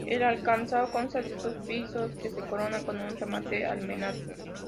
El alzado consta de dos pisos que se coronan con un remate almenado.